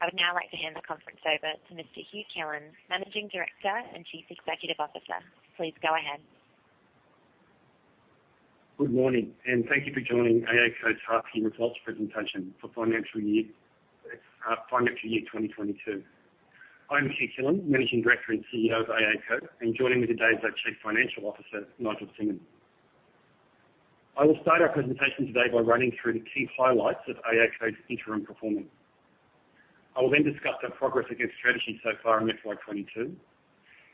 I would now like to hand the conference over to Mr. Hugh Killen, Managing Director and Chief Executive Officer. Please go ahead. Good morning, and thank you for joining AACo's Half Year Results Presentation for Financial Year 2022. I'm Hugh Killen, Managing Director and CEO of AACo, and joining me today is our Chief Financial Officer, Nigel Simonsz. I will start our presentation today by running through the key highlights of AACo's interim performance. I will then discuss our progress against strategy so far in FY 2022,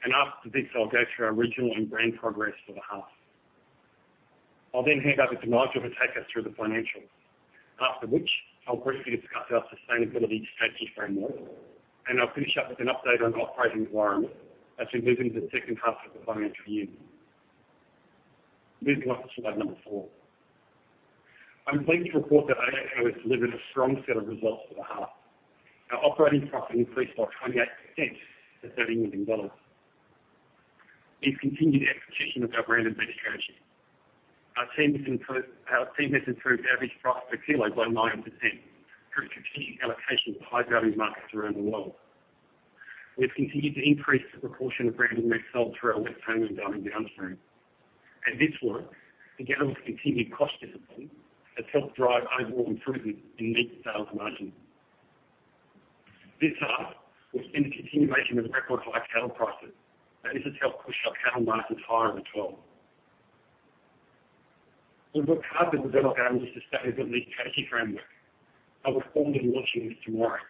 and after this, I'll go through our regional and brand progress for the half. I'll then hand over to Nigel to take us through the financials. After which, I'll briefly discuss our sustainability strategy framework, and I'll finish up with an update on operating environment as we move into the second half of the financial year. Moving on to slide number four. I'm pleased to report that AACo has delivered a strong set of results for the half. Our operating profit increased by 28% to 30 million dollars. We've continued execution of our branded meat strategy. Our team has improved average price per kilo by 9% through a continued allocation to high-value markets around the world. We've continued to increase the proportion of branded meat sold through our Westholme and Darling Downs brand. This work, together with continued cost discipline, has helped drive overall improvement in meat sales margin. This half, we've seen the continuation of record high cattle prices, and this has helped push our cattle margins higher as well. We've worked hard to develop our industry sustainability strategy framework. I will formally launch this tomorrow.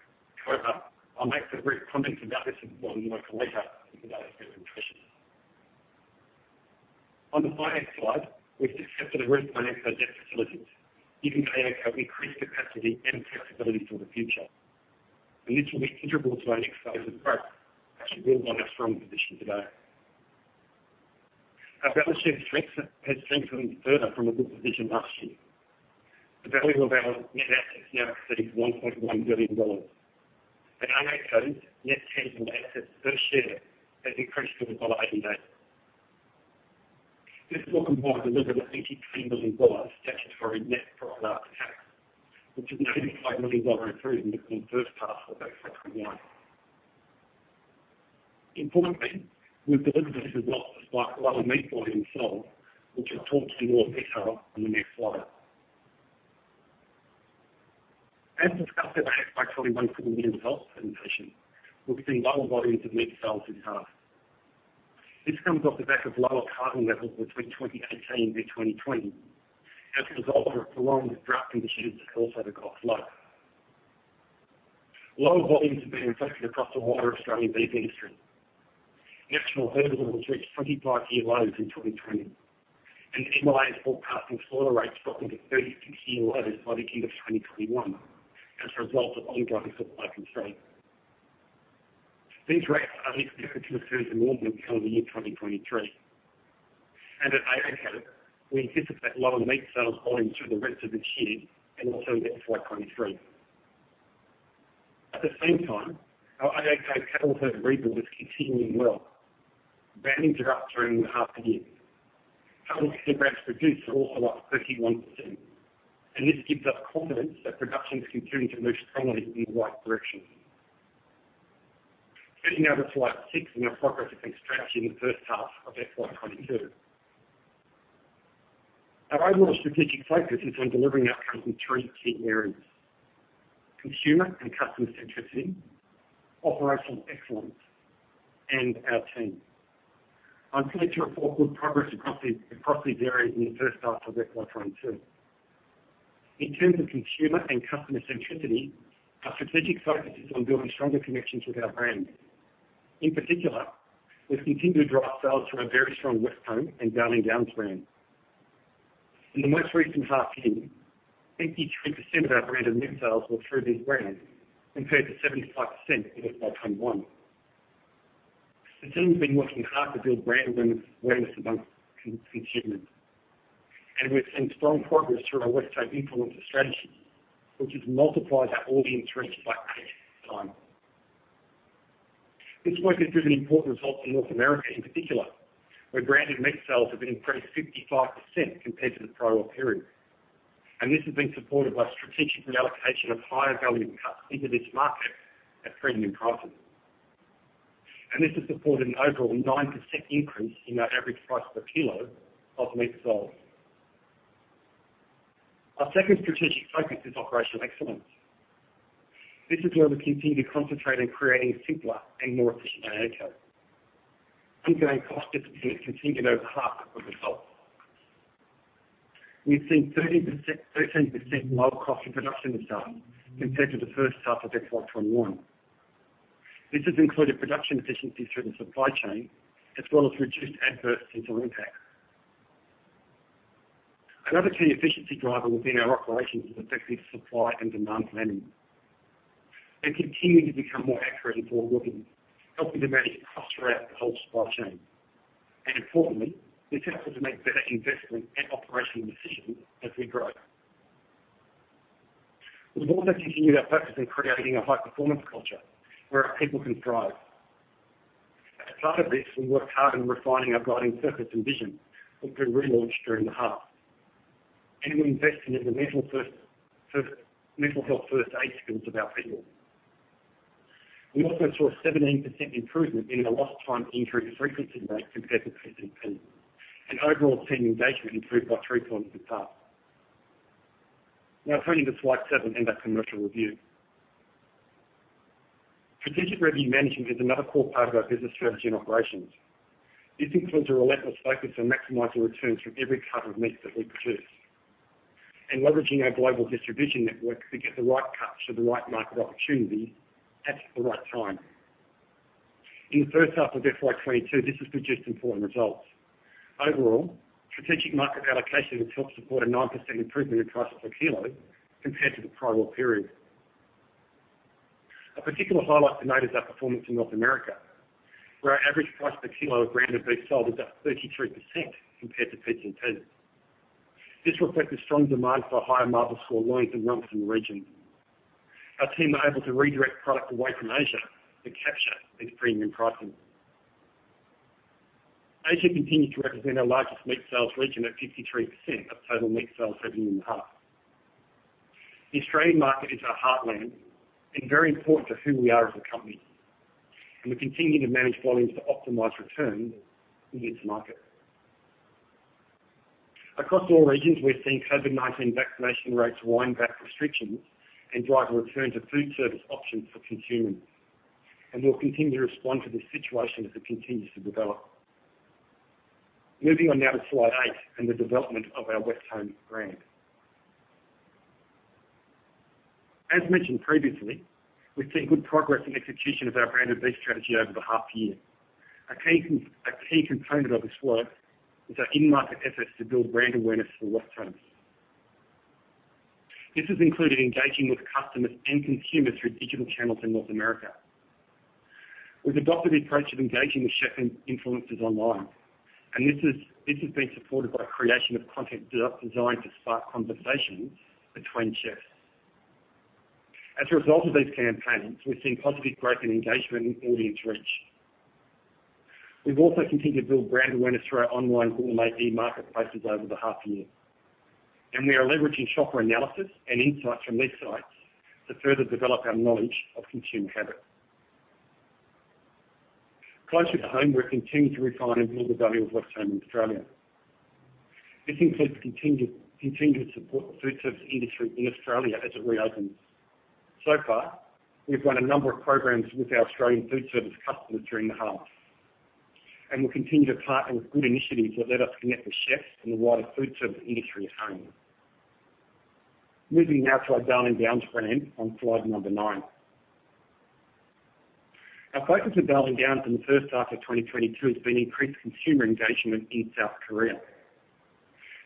However, I'll make some brief comments about this as well in my later slide presentation. On the finance slide, we've just stepped through the refinance of our debt facilities, giving AACo increased capacity and flexibility for the future. This will be integral to our next phase of growth, which will build on our strong position today. Our balance sheet strength has strengthened further from a good position last year. The value of our net assets now exceeds 1.1 billion dollars. AACo's net tangible assets per share has increased to dollar 1.89. This all combines to deliver an 83 million dollar statutory net profit after tax, which is an 85 million dollar improvement on the first half of FY 2021. Importantly, we've delivered this result despite lower meat volume sold, which we'll talk through in more detail on the next slide. As discussed at the FY 2021 full-year results presentation, we've seen lower volumes of meat sales this half. This comes off the back of lower cattle levels between 2018 and 2020 as a result of prolonged drought conditions that also took off flow. Lower volumes have been reflected across the wider Australian beef industry. National herd levels reached 25-year lows in 2020, and MLA is forecasting slaughter rates dropping to 36-year lows by the end of 2021 as a result of ongoing supply constraints. These rates are only predicted to improve from the year 2023. At AACo, we anticipate lower meat sales volumes through the rest of this year and also into FY 2023. At the same time, our AACo cattle herd rebuild is continuing well. Brands are up during the half year. Cattle in the branded production are also up 31%, and this gives us confidence that production is continuing to move strongly in the right direction. Turning now to slide six and our progress against strategy in the first half of FY 2022. Our overall strategic focus is on delivering outcomes in three key areas: consumer and customer centricity, operational excellence, and our team. I'm pleased to report good progress across these areas in the first half of FY 2022. In terms of consumer and customer centricity, our strategic focus is on building stronger connections with our brands. In particular, we've continued to drive sales through our very strong Westholme and Darling Downs brand. In the most recent half year, 53% of our branded meat sales were through these brands compared to 75% in FY 2021. The team's been working hard to build brand awareness among consumers, and we've seen strong progress through our Westholme influencer strategy, which has multiplied our audience reach by eight at this time. This work has driven important results in North America, in particular, where branded meat sales have increased 55% compared to the prior period. This has been supported by strategic reallocation of higher-value cuts into this market at premium prices. This has supported an overall 9% increase in our average price per kilo of meat sold. Our second strategic focus is operational excellence. This is where we continue to concentrate on creating a simpler and more efficient AACo. Ongoing cost discipline has contributed to our half one results. We've seen 13% lower cost in production this half compared to the first half of FY 2021. This has included production efficiencies through the supply chain as well as reduced adverse seasonal impact. Another key efficiency driver within our operations is effective supply and demand planning. They're continuing to become more accurate and forward-looking, helping to manage costs throughout the whole supply chain. Importantly, this helps us to make better investment and operational decisions as we grow. We've also continued our focus on creating a high-performance culture where our people can thrive. As part of this, we worked hard on refining our guiding purpose and vision, which we relaunched during the half, and we invested in the mental health first aid skills of our people. We also saw a 17% improvement in the Lost Time Injury Frequency Rate compared to PCP, and overall team engagement improved by three points in the half. Now turning to slide seven and our commercial review. Strategic revenue management is another core part of our business strategy and operations. This includes a relentless focus on maximizing returns from every cut of meat that we produce, and leveraging our global distribution network to get the right cuts to the right market opportunities at the right time. In the first half of FY 2022, this has produced important results. Overall, strategic market allocation has helped support a 9% improvement in price per kilo compared to the prior period. A particular highlight to note is our performance in North America, where our average price per kilo of branded beef sold is up 33% compared to PCP. This reflects the strong demand for higher marble score loins and rump in the region. Our team are able to redirect product away from Asia to capture these premium pricing. Asia continues to represent our largest meat sales region at 53% of total meat sales revenue in the half. The Australian market is our heartland and very important to who we are as a company, and we continue to manage volumes to optimize returns in this market. Across all regions, we're seeing COVID-19 vaccination rates wind back restrictions and drive a return to food service options for consumers, and we'll continue to respond to this situation as it continues to develop. Moving on now to slide eight and the development of our Westholme brand. As mentioned previously, we've seen good progress in execution of our branded beef strategy over the half year. A key component of this work is our in-market efforts to build brand awareness for Westholme. This has included engaging with customers and consumers through digital channels in North America. We've adopted the approach of engaging with chef influencers online, and this has been supported by creation of content designed to spark conversations between chefs. As a result of these campaigns, we've seen positive growth in engagement and audience reach. We've also continued to build brand awareness through our online gourmet e-marketplaces over the half year. We are leveraging shopper analysis and insights from these sites to further develop our knowledge of consumer habits. Closer to home, we're continuing to refine and build the value of Westholme in Australia. This includes continued support for food service industry in Australia as it reopens. So far, we've run a number of programs with our Australian food service customers during the half, and we'll continue to partner with good initiatives that let us connect with chefs and the wider food service industry at home. Moving now to our Darling Downs brand on slide number nine. Our focus with Darling Downs in the first half of 2022 has been increased consumer engagement in South Korea,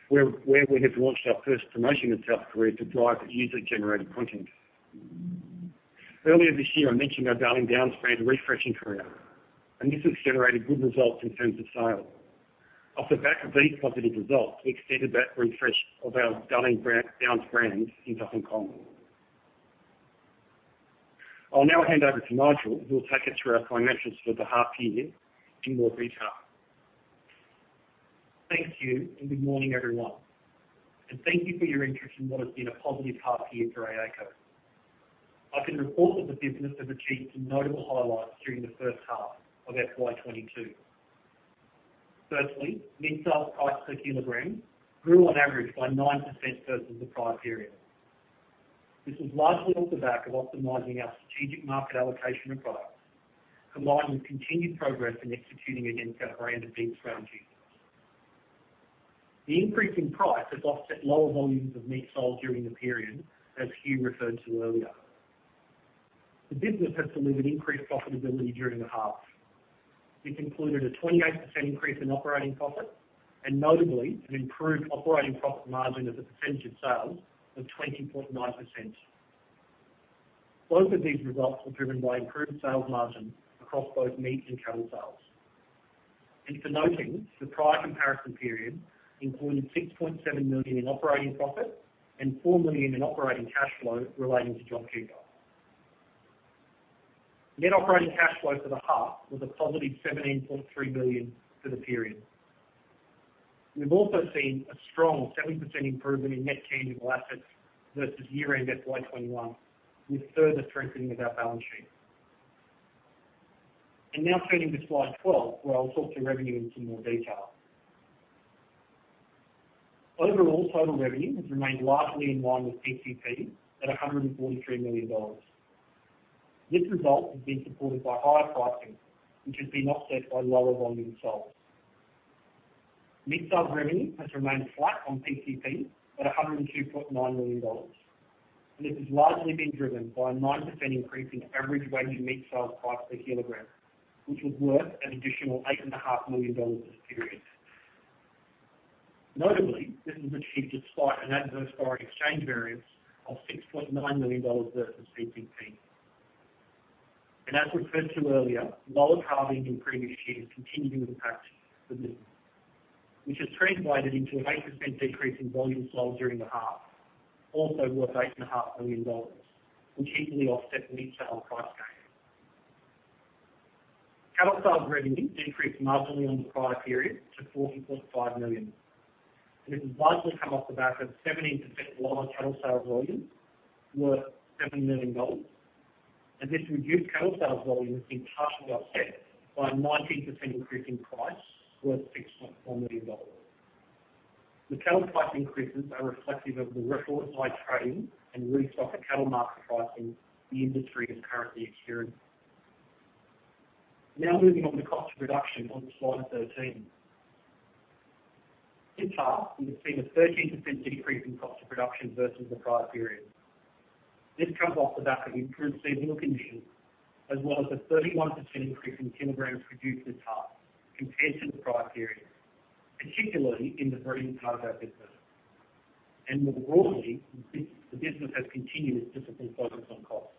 where we have launched our first promotion in South Korea to drive user-generated content. Earlier this year, I mentioned our Darling Downs brand refresh in Korea, and this has generated good results in terms of sales. Off the back of these positive results, we extended that refresh of our Darling Downs brand into Hong Kong. I'll now hand over to Nigel, who will take us through our financials for the half year in more detail. Thank you, and good morning, everyone. Thank you for your interest in what has been a positive half year for AACo. I can report that the business has achieved some notable highlights during the first half of FY 2022. Firstly, meat sales price per kilogram grew on average by 9% versus the prior period. This is largely off the back of optimizing our strategic market allocation of product, combined with continued progress in executing against our branded beef strategy. The increase in price has offset lower volumes of meat sold during the period, as Hugh referred to earlier. The business has delivered increased profitability during the half. This included a 28% increase in operating profit and notably an improved operating profit margin as a percentage of sales of 20.9%. Both of these results were driven by improved sales margin across both meat and cattle sales. For noting, the prior comparison period included 6.7 million in operating profit and 4 million in operating cash flow relating to JobKeeper. Net operating cash flow for the half was a positive 17.3 million for the period. We've also seen a strong 7% improvement in net tangible assets versus year-end FY 2021, with further strengthening of our balance sheet. Now turning to slide 12, where I'll talk to revenue in some more detail. Overall, total revenue has remained largely in line with PCP at 143 million dollars. This result has been supported by higher pricing, which has been offset by lower volumes sold. Meat sales revenue has remained flat on PCP at 102.9 million dollars. This has largely been driven by a 9% increase in average weighted meat sales price per kilogram, which was worth an additional 8.5 million dollars this period. Notably, this was achieved despite an adverse foreign exchange variance of $6.9 million versus PCP. As referred to earlier, lower calvings in previous years continue to impact the business, which has translated into an 8% decrease in volume sold during the half, also worth 8.5 million dollars, which easily offset meat sale price gain. Cattle sales revenue decreased marginally on the prior period to 44.5 million. This has largely come off the back of 17% lower cattle sales volume worth 7 million dollars. This reduced cattle sales volume is partially offset by a 19% increase in price worth 6.4 million dollars. The cattle price increases are reflective of the record high trading and restocked cattle market pricing the industry is currently experiencing. Now moving on to cost of production on slide 13. This half, we've seen a 13% decrease in cost of production versus the prior period. This comes off the back of improved seasonal conditions, as well as a 31% increase in kilograms produced this half compared to the prior period, particularly in the breeding part of our business. More broadly, the business has continued its disciplined focus on costs.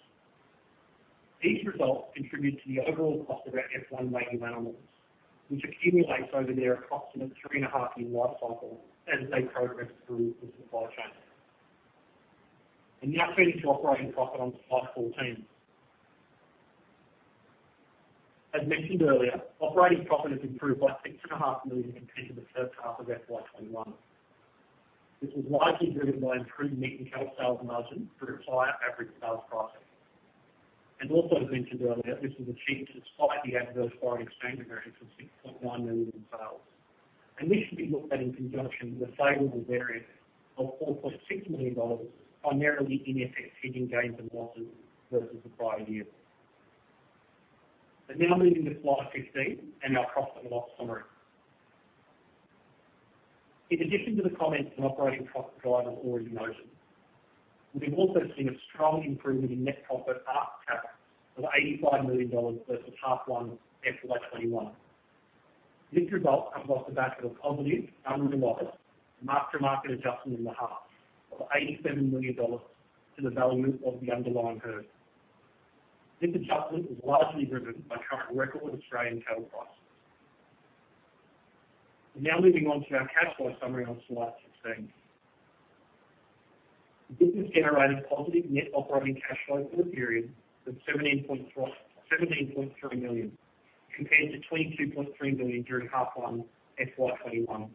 These results contribute to the overall cost of our F1 weighing animals, which accumulates over their approximate 3.5-year life cycle as they progress through the supply chain. Now turning to operating profit on slide 14. As mentioned earlier, operating profit has improved by 6.5 million compared to the first half of FY 2021. This was largely driven by improved meat and cattle sales margin through higher average sales pricing. Also as mentioned earlier, this was achieved despite the adverse foreign exchange variance AUD $6.9 million in sales. This should be looked at in conjunction with the favorable variance of 4.6 million dollars, primarily in FX hedging gains and losses versus the prior year. Now moving to slide 15 and our profit and loss summary. In addition to the comments on operating profit drivers already noted, we've also seen a strong improvement in net profit after tax of AUD 85 million versus half one FY 2021. This result comes off the back of a positive unrealized mark-to-market adjustment in the half of 87 million dollars to the value of the underlying herd. This adjustment was largely driven by current record Australian cattle prices. Now moving on to our cash flow summary on slide 16. The business generated positive net operating cash flow for the period of 17.3 million, compared to 22.3 million during half one FY 2021.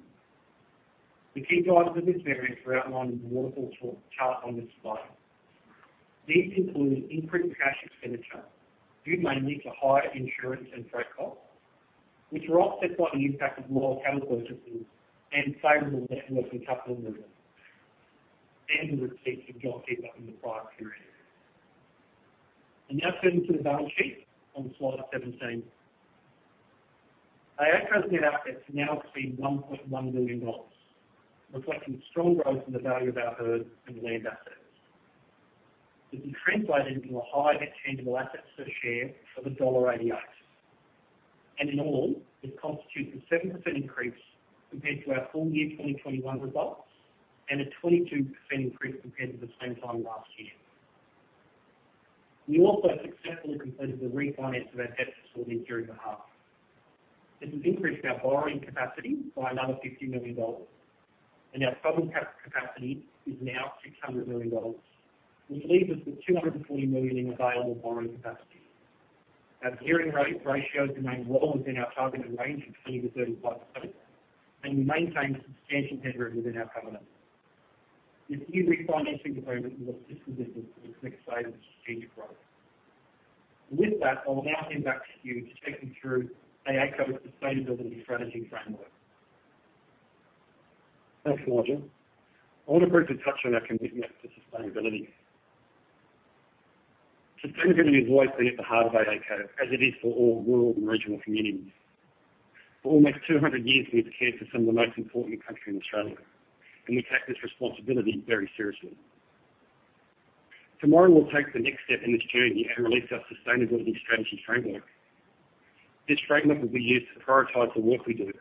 The key drivers of this variance are outlined in the waterfall chart on this slide. These include increased cash expenditure, due mainly to higher insurance and freight costs, which were offset by the impact of lower cattle purchases and favorable net working capital movement than was achieved for JobKeeper in the prior period. Now turning to the balance sheet on slide 17. AACo's net assets now exceed 1.1 billion dollars, reflecting strong growth in the value of our herd and land assets. This has translated into a higher net tangible assets per share of dollar 1.88. In all, this constitutes a 7% increase compared to our full year 2021 results, and a 22% increase compared to the same time last year. We also successfully completed the refinance of our debt facilities during the half. This has increased our borrowing capacity by another 50 million dollars, and our total capacity is now 600 million dollars, which leaves us with 240 million in available borrowing capacity. Our gearing ratio remains well within our targeted range of 20%-35%, and we maintain substantial headroom within our covenants. This key refinancing development will assist the business with its next stage of strategic growth. With that, I'll now hand back to Hugh to take you through AACo's sustainability strategy framework. Thanks, Nigel. I want to briefly touch on our commitment to sustainability. Sustainability has always been at the heart of AACo, as it is for all rural and regional communities. For almost 200 years, we've cared for some of the most important country in Australia, and we take this responsibility very seriously. Tomorrow, we'll take the next step in this journey and release our sustainability strategy framework. This framework will be used to prioritize the work we do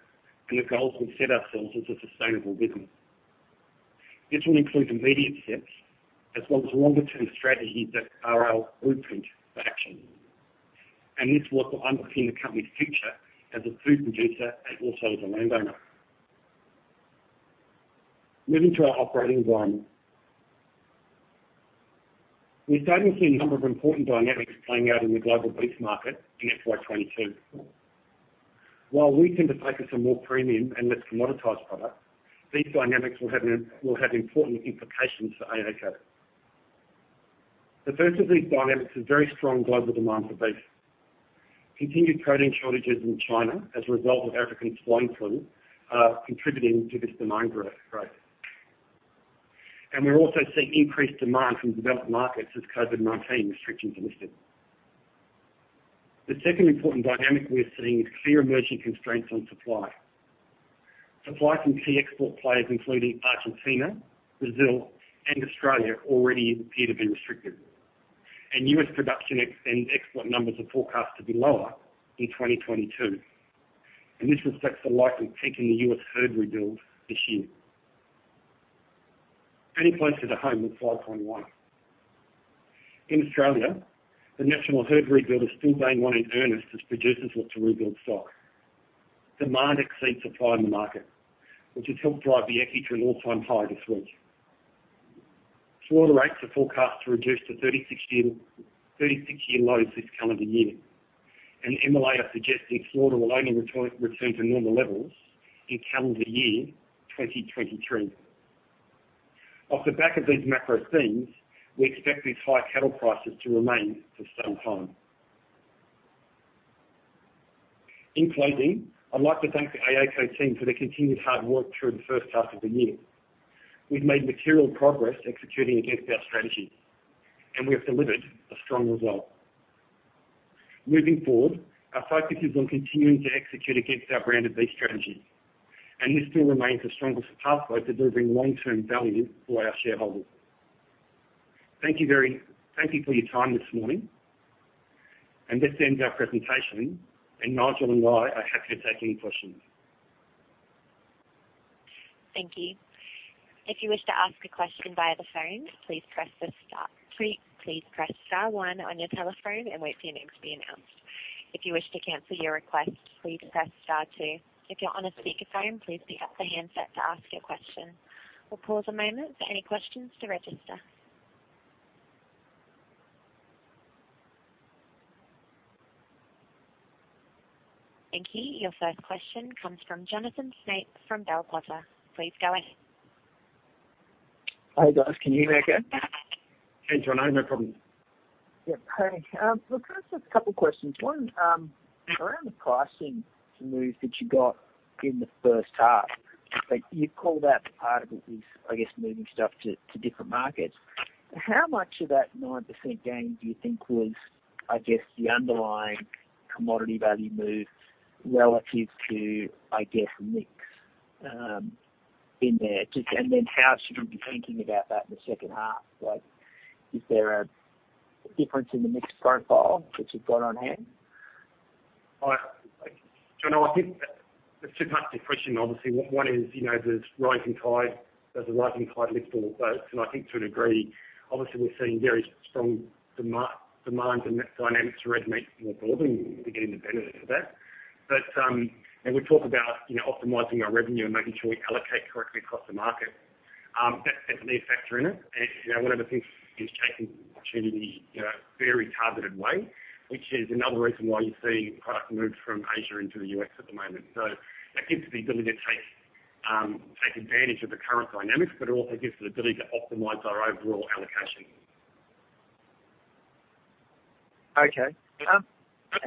and the goals we've set ourselves as a sustainable business. This will include immediate steps as well as longer-term strategies that are our blueprint for action. This will underpin the company's future as a food producer and also as a landowner. Moving to our operating environment. We're starting to see a number of important dynamics playing out in the global beef market in FY 2022. While we tend to focus on more premium and less commoditized product, these dynamics will have important implications for AACo. The first of these dynamics is very strong global demand for beef. Continued protein shortages in China as a result of African swine fever are contributing to this demand growth. We're also seeing increased demand from developed markets as COVID-19 restrictions are lifted. The second important dynamic we are seeing is clear emerging constraints on supply. Supply from key export players, including Argentina, Brazil and Australia, already appear to be restricted. U.S. production and export numbers are forecast to be lower in 2022, and this reflects the likely peak in the U.S. herd rebuild this year. Closer to home with slide 21. In Australia, the national herd rebuild is still underway in earnest as producers look to rebuild stock. Demand exceeds supply in the market, which has helped drive the EYCI to an all-time high this week. Slaughter rates are forecast to reduce to 36-year lows this calendar year, and MLA are suggesting slaughter will only return to normal levels in calendar year 2023. Off the back of these macro themes, we expect these high cattle prices to remain for some time. In closing, I'd like to thank the AACo team for their continued hard work through the first half of the year. We've made material progress executing against our strategy, and we have delivered a strong result. Moving forward, our focus is on continuing to execute against our branded beef strategy, and this still remains the strongest pathway to delivering long-term value for our shareholders. Thank you for your time this morning. This ends our presentation, and Nigel and I are happy to take any questions. Thank you. If you wish to ask a question via the phone, please press star one on your telephone and wait for your name to be announced. If you wish to cancel your request, please press star two. If you're on a speakerphone, please pick up the handset to ask your question. We'll pause a moment for any questions to register. Thank you. Your first question comes from Jonathan Snape from Bell Potter. Please go ahead. Hi, guys. Can you hear me okay? Hey, Jono. No problem. Yeah. Hey, look, can I ask a couple questions? One, around the pricing move that you got in the first half, like, you called out part of it is, I guess, moving stuff to different markets. How much of that 9% gain do you think was, I guess, the underlying commodity value move relative to, I guess, mix in there? Just, and then how should we be thinking about that in the second half? Like, is there a difference in the mix profile that you've got on hand? Jono, I think there's two parts to your question. Obviously, one is, you know, there's a rising tide lifts all boats. I think to a degree, obviously, we're seeing very strong demand and market dynamics for red meat more broadly, and we're getting the benefit of that. We talk about, you know, optimizing our revenue and making sure we allocate correctly across the market, that's a major factor in it. One of the things is chasing opportunity in a very targeted way, which is another reason why you see product moves from Asia into the U.S. at the moment. That gives us the ability to take advantage of the current dynamics, but it also gives us the ability to optimize our overall allocation. Okay.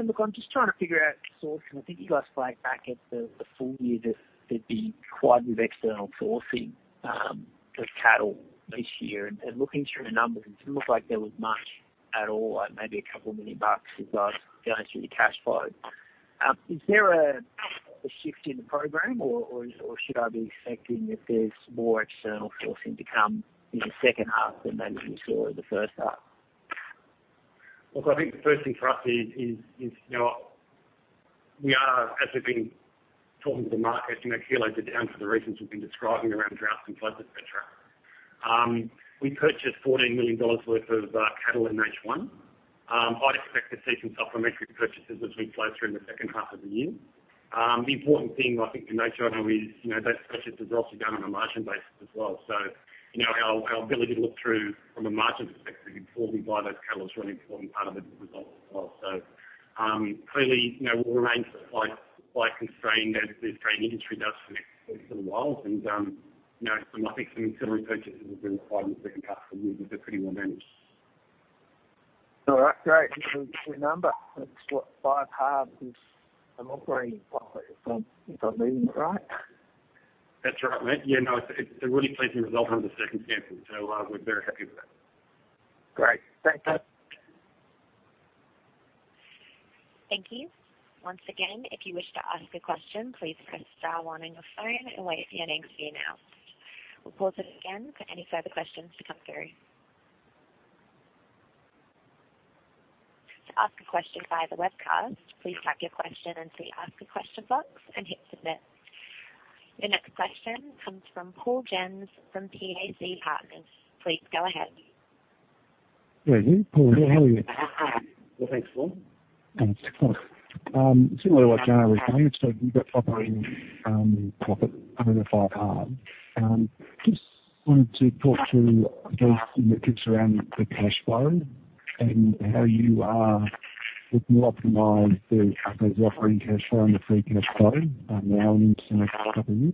Look, I'm just trying to figure out sourcing. I think you guys flagged back at the full year that there'd be quite a bit of external sourcing with cattle this year. Looking through the numbers, it didn't look like there was much at all, like, maybe 2 million bucks as I was going through the cash flow. Is there a shift in the program or is, or should I be expecting that there's more external sourcing to come in the second half than maybe we saw in the first half? Look, I think the first thing for us is, you know, we are. As we've been talking to the market, you know, kilos are down for the reasons we've been describing around droughts and floods, et cetera. We purchased 14 million dollars worth of cattle in H1. I'd expect to see some supplementary purchases as we flow through in the second half of the year. The important thing I think to note, Jono, is, you know, those purchases are also done on a margin basis as well. So, you know, our ability to look through from a margin perspective before we buy those cattle is a really important part of the result as well. So, clearly, you know, we'll remain supply constrained as the Australian industry does for the next little while. You know, I think some similar purchases will be required in the second half of the year, but they're pretty well managed. All right, great. Gives me a clear number. That's what 5.5 is operating profit if I'm reading that right. That's right. Yeah, no, it's a really pleasing result under the circumstances, so we're very happy with that. Great. Thanks, guys. Thank you. Once again, if you wish to ask a question, please press star one on your phone and wait for your name to be announced. We'll pause it again for any further questions to come through. To ask a question via the webcast, please type your question into the Ask a Question box and hit Submit. The next question comes from Paul Jensz from PAC Partners. Please go ahead. Thank you. Hugh, how are you? Hi. Well, thanks, Paul. Thanks. Similar to what Jono was saying, so you've got operating profit over the five halves. Just wanted to talk to those significant around the cash flow and how you are looking to optimize the, I guess, the operating cash flow and the free cash flow, now and into the second half of the year.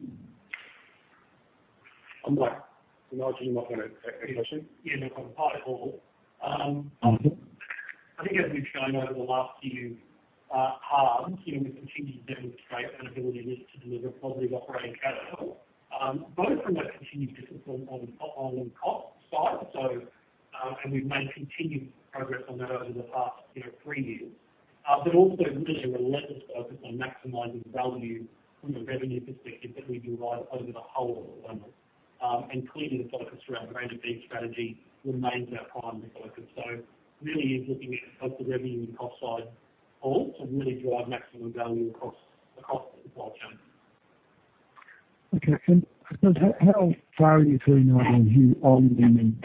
I'm like, Nigel, you might wanna take the question. Yeah. No problem. Hi, Paul. Mm-hmm. I think as we've shown over the last few halves, you know, we continue to demonstrate an ability just to deliver positive operating cash flow, both from a continued discipline on the cost side. We've made continued progress on that over the past, you know, three years. Also really a relentless focus on maximizing value from a revenue perspective that we derive over the whole of the business. Clearly the focus around branded beef strategy remains our primary focus. Really is looking at both the revenue and cost side, Paul, to really drive maximum value across Okay. How far are you feeling like you are in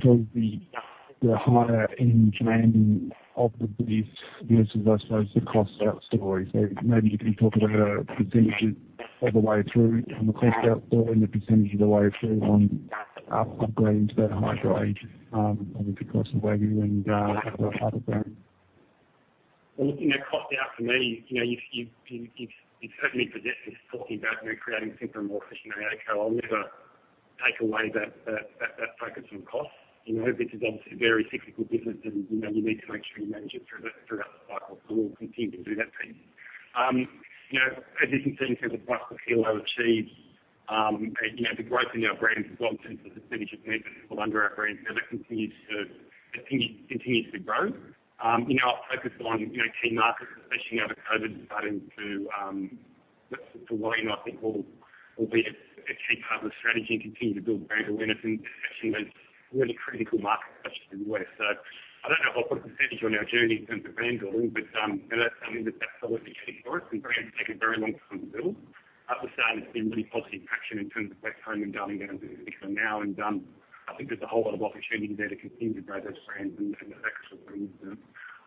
sort of the higher end demand of the beef business as opposed to cost out story? Maybe you can talk about percentages all the way through from the cost out story and the percentage of the way through on upgrading to that higher grade, obviously across the Wagyu and other brands. Well, look, you know, cost out for me, you know, you've certainly pressed this talking about, you know, creating simpler and more efficient AACo. I'll never take away that focus on cost. You know, this is obviously a very cyclical business and, you know, you need to make sure you manage it through the cycle, and we'll continue to do that piece. You know, as you can see in terms of price per kilo achieved, you know, the growth in our brands as well in terms of the percentage of meat that's sold under our brands, you know, that continues to grow. In our focus on, you know, key markets, especially now that COVID's starting to weigh in, I think we'll be a key part of the strategy and continue to build brand awareness. And especially in those really critical markets, such as the U.S. I don't know if I'll put percentage on our journey in terms of brand building, but, you know, that's something that's absolutely key for us and brands take a very long time to build. We're starting to see really positive traction in terms of Westholme and Darling Downs business for now, and I think there's a whole lot of opportunity there to continue to grow those brands and the focus we'll bring to them.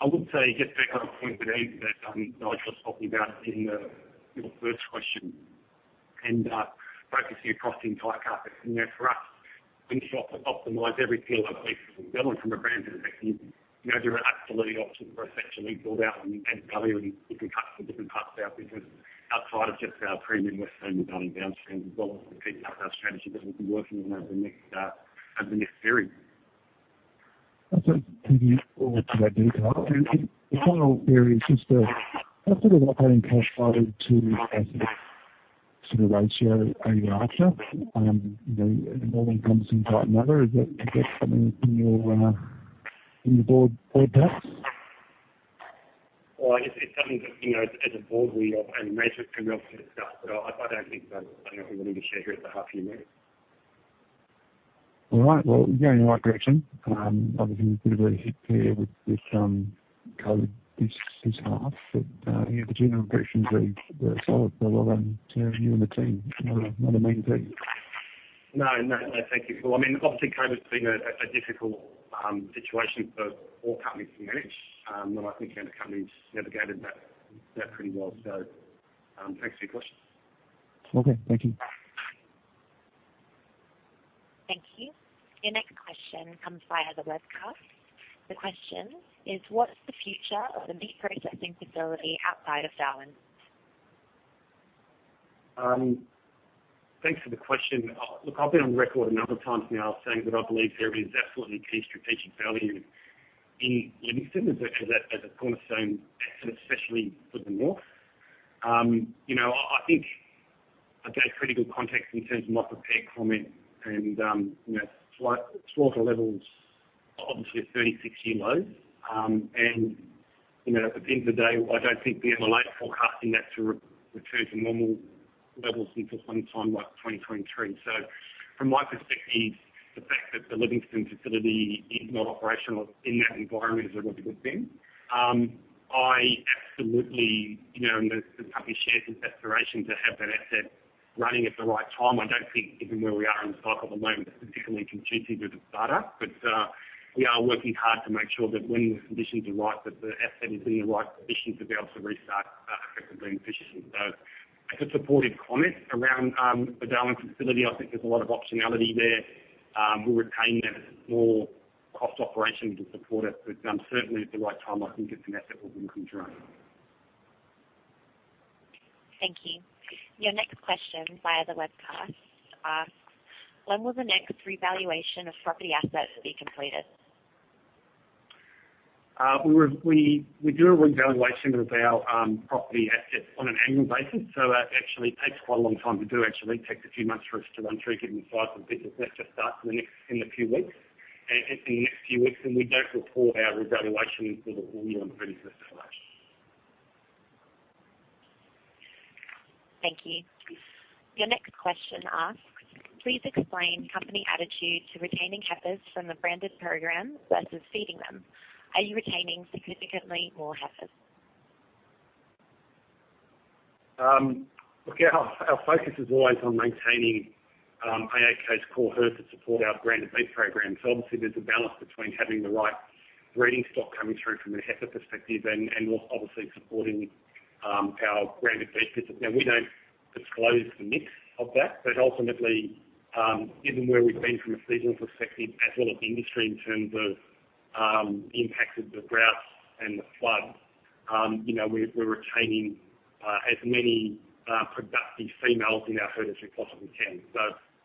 I would say, guess echo a point that, that Nigel was talking about in your first question and focusing across the entire carcass and for us, we need to optimize every kilo of beef that we sell and from a brand perspective, you know, there are absolutely options for us to actually build out and add value in different cuts, different parts of our business outside of just our premium Westholme and Darling Downs brands as well, which is the key part of our strategy that we'll be working on over the next period. Thank you all for that detail. The final area is just the, kind of sort of operating cash flow to asset sort of ratio, are you after? You know, it all comes in one type or another. Is that something in your board decks? Well, I guess it's something that, you know, as a board and management can obviously discuss, but I don't think that's something I'd willing to share here at the half of the year, mate. All right. Well, you're going in the right direction. Obviously, there's a bit of a hit there with this COVID this half, but you know, the general direction's really, really solid. Well done to you and the team. It's not a mean feat. No, no. Thank you, Paul. Well, I mean, obviously COVID's been a difficult situation for all companies to manage, and I think our company's navigated that pretty well. Thanks for your questions. Okay. Thank you. Thank you. Your next question comes via the webcast. The question is: What's the future of the meat processing facility outside of Darwin? Thanks for the question. Look, I've been on record a number of times now saying that I believe there is absolutely key strategic value in Livingstone as a cornerstone asset, especially for the North. You know, I think I gave critical context in terms of my prepared comment and, you know, slaughter levels obviously are 36-year lows. You know, at the end of the day, I don't think the MLA forecast in that to return to normal levels until sometime like 2023. From my perspective, the fact that the Livingstone facility is not operational in that environment is a really good thing. I absolutely, you know, and the company shares this aspiration to have that asset running at the right time. I don't think given where we are in the cycle at the moment, it's particularly conducive with the start up. We are working hard to make sure that when the conditions are right, that the asset is in the right position to be able to restart effectively and efficiently. It's a supportive comment around the Darwin facility. I think there's a lot of optionality there. We retain that as a core cost operation to support it, but certainly at the right time, I think it's an asset we'll look and grow. Thank you. Your next question via the webcast asks: When will the next revaluation of property assets be completed? We do a revaluation of our property assets on an annual basis, so that actually takes quite a long time to do. Actually takes a few months for us to run through given the size of the business. That just starts in the next few weeks, and we don't report our revaluation until the full year on 31st of March. Thank you. Your next question asks: Please explain company attitude to retaining heifers from the branded program versus feeding them. Are you retaining significantly more heifers? Look, our focus is always on maintaining AACo's core herd to support our branded beef program. Obviously there's a balance between having the right breeding stock coming through from a heifer perspective and obviously supporting our branded beef business. Now, we don't disclose the mix of that, but ultimately, given where we've been from a seasonal perspective, as well as industry in terms of the impact of the droughts and the floods, you know, we're retaining as many productive females in our herd as we possibly can.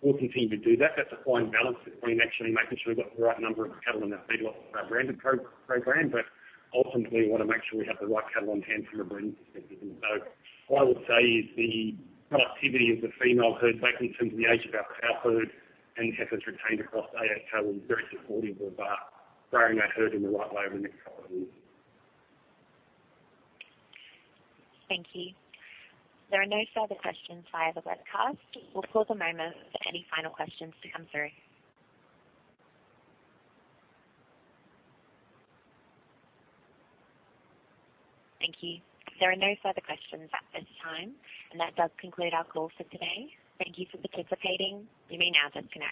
We'll continue to do that. That's a fine balance between actually making sure we've got the right number of cattle in our feedlot for our branded program, but ultimately we wanna make sure we have the right cattle on hand from a breeding perspective. What I would say is the productivity of the female herd, like in terms of the age of our cow herd and heifers retained across AACo, will be very supportive of growing that herd in the right way over the next couple of years. Thank you. There are no further questions via the webcast. We'll pause a moment for any final questions to come through. Thank you. There are no further questions at this time, and that does conclude our call for today. Thank you for participating. You may now disconnect.